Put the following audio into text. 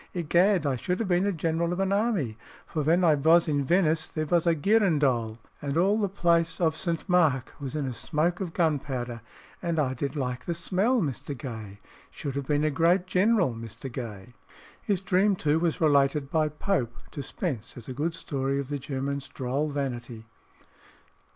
Egad, I should have been a general of an army, for ven I vos in Venice there vos a girandole, and all the Place of St. Mark vos in a smoke of gunpowder, and I did like the smell, Mr. Gay should have been a great general, Mr. Gay." His dream, too, was related by Pope to Spence as a good story of the German's droll vanity.